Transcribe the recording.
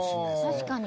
確かに。